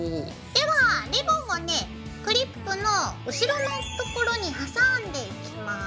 ではリボンをねクリップの後ろのところに挟んでいきます。